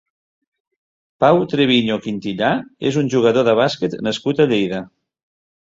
Pau Treviño Quintillà és un jugador de bàsquet nascut a Lleida.